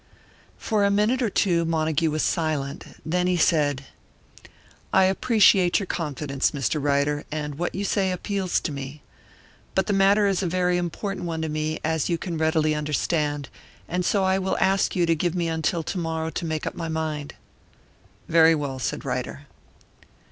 For a minute or two Montague was silent; then he said: "I appreciate your confidence, Mr. Ryder, and what you say appeals to me. But the matter is a very important one to me, as you can readily understand, and so I will ask you to give me until to morrow to make up my mind." "Very well," said Ryder.